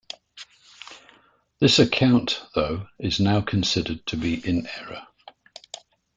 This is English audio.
This account, though, is now considered to be in error.